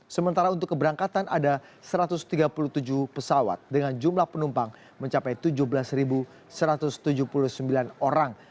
sementara untuk keberangkatan ada satu ratus tiga puluh tujuh pesawat dengan jumlah penumpang mencapai tujuh belas satu ratus tujuh puluh sembilan orang